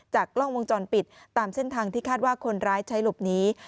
กล้องวงจรปิดตามเส้นทางที่คาดว่าคนร้ายใช้หลบหนี